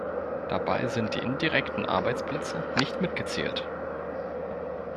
Dabei sind die indirekten Arbeitsplätze nicht mitgezählt.